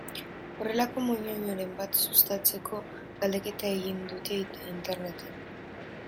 Horrelako moñoñoren bat sustatzeko galdeketa egin dute Interneten.